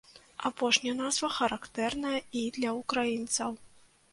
Апошняя назва характэрная і для ўкраінцаў.